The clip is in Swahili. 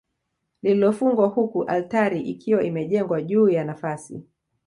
Lililofungwa huku altari ikiwa imejengwa juu ya nafasi